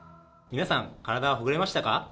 皆さん、体はほぐれましたか？